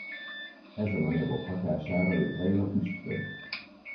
Ezen anyagok hatására létrejön a füstköd.